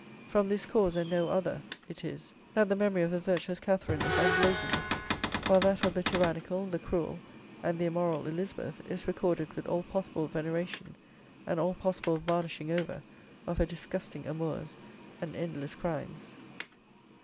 From this cause, and no other, it is, that the memory of the virtuous Catherine is unblazoned, while that of the tyrannical, the cruel, and the immoral Elizabeth, is recorded with all possible veneration, and all possible varnishing over of her disgusting amours and endless crimes.